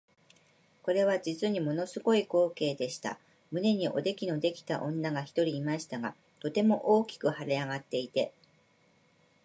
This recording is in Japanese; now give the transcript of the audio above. これは実にもの凄い光景でした。胸におできのできた女が一人いましたが、とても大きく脹れ上っていて、